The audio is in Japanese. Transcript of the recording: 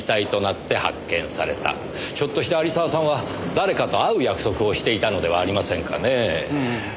ひょっとして有沢さんは誰かと会う約束をしていたのではありませんかねぇ。